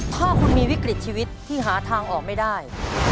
ถ้าคุณมีวิกฤตชีวิตที่หาทางออกไม่ได้